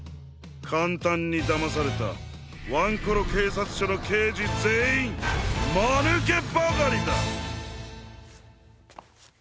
かんたんにだまされたワンコロけいさつしょのけいじぜんいんまぬけばかりだ！